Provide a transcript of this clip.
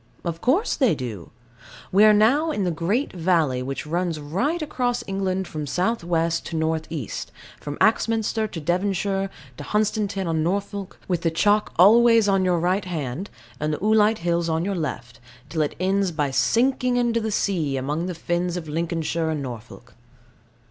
Of course they do. We are now in the great valley which runs right across England from south west to north east, from Axminster in Devonshire to Hunstanton in Norfolk, with the chalk always on your right hand, and the oolite hills on your left, till it ends by sinking into the sea, among the fens of Lincolnshire and Norfolk.